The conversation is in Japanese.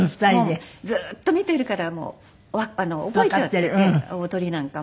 もうずーっと見ているから覚えちゃっていて踊りなんかも。